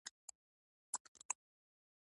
د احمد نېکي مې جګه سترګو ته ودرېده.